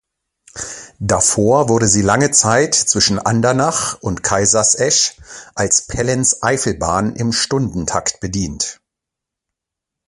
Davor wurde sie lange Zeit zwischen Andernach und Kaisersesch als „Pellenz-Eifel-Bahn“ im Stundentakt bedient.